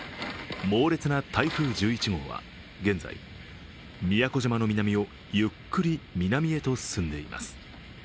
猛烈な台風１１号は現在、宮古島の南をゆっくり南へと進んでいます。